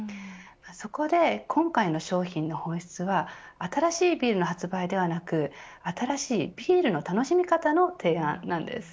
そこで今回の商品の本質は新しいビールの発売ではなく新しいビールの楽しみ方の提案なんです。